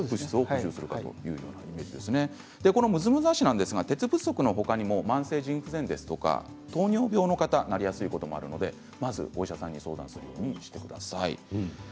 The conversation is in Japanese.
むずむず脚、鉄不足のほかにも慢性腎不全ですとか糖尿病の方がなりやすいこともあるのでまずお医者さんに相談するようにしてください。